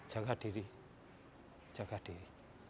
jaga diri jaga diri